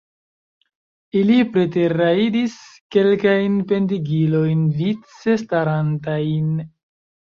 Ili preterrajdis kelkajn pendigilojn, vice starantajn.